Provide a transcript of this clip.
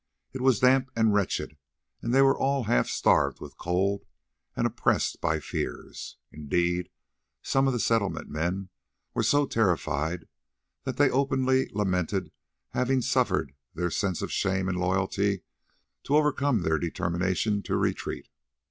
It was damp and wretched, and they were all half starved with cold and oppressed by fears. Indeed some of the Settlement men were so terrified that they openly lamented having suffered their sense of shame and loyalty to overcome their determination to retreat.